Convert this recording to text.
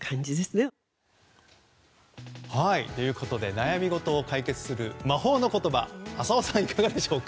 悩み事を解決する魔法の言葉浅尾さん、いかがでしょうか？